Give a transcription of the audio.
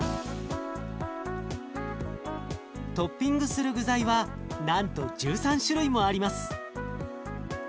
トッピングする具材はなんと１３種類もあります。